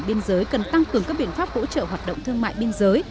biên giới cần tăng cường các biện pháp hỗ trợ hoạt động thương mại biên giới